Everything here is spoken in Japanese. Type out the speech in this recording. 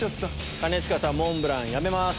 兼近さんモンブランやめます。